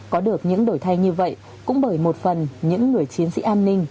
có được những đổi thay như vậy cũng bởi một phần những người chiến sĩ an ninh